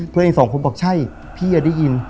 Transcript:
เพื่อนอีก๒คนบอกใช่พี่ได้ยืน